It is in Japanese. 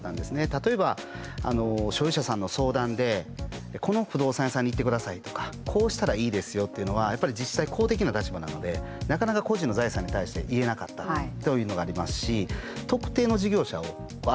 例えば所有者さんの相談でこの不動産屋さんに行ってくださいとかこうしたらいいですよっていうのはやっぱり自治体公的な立場なのでなかなか個人の財産に対して言えなかったというのがありますし特定の事業者をあっせんできない。